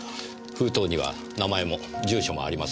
封筒には名前も住所もありません。